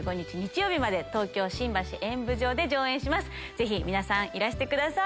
ぜひ皆さんいらしてください